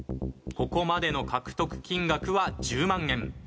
ここまでの獲得金額は１０万円。